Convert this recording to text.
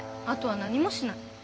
あとは何もしない。